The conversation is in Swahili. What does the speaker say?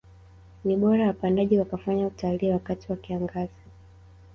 Ni bora wapandaji wakafanya utalii wakati wa kiangazi